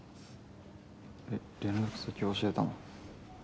え連絡先教えたの？